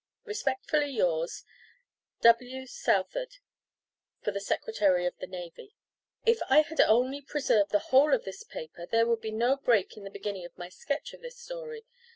Respectfully yours, W. SOUTHARD, for the Secretary of the Navy. If I had only preserved the whole of this paper, there would be no break in the beginning of my sketch of this story.